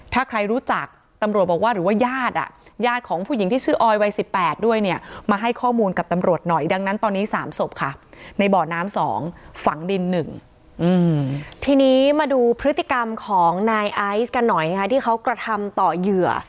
ถ้าใครรู้จักตำรวจบอกว่าหรือยาดอะยาดของผู้หญิงที่ชื่อออยวายสิบแปดด้วยเนี่ย